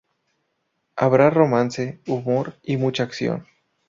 Habrá romance, humor y mucha acción.